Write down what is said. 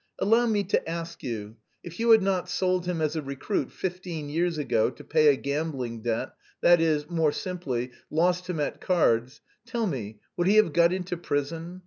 Allow me to ask you: if you had not sold him as a recruit fifteen years ago to pay a gambling debt, that is, more simply, lost him at cards, tell me, would he have got into prison?